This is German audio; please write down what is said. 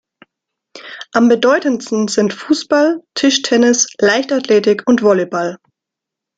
Am bedeutendsten sind Fußball, Tischtennis, Leichtathletik und Volleyball.